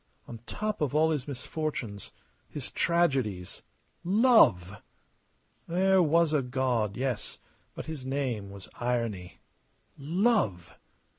On top of all his misfortunes, his tragedies love! There was a God, yes, but his name was Irony. Love!